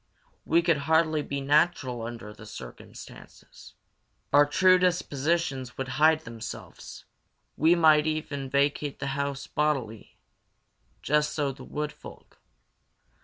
We could hardly be natural under the circumstances. Our true dispositions would hide themselves. We might even vacate the house bodily. Just so Wood Folk.